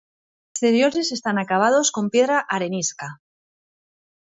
Los exteriores están acabados con piedra arenisca.